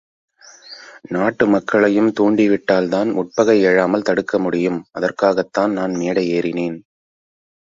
நாட்டு மக்களையும் தூண்டி விட்டால் தான் உட்பகை எழாமல் தடுக்க முடியும் அதற்காகத்தான் நான் மேடை ஏறினேன்.